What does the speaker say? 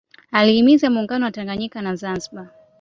Alihimiza Muungano wa Tanganyika na Zanzibar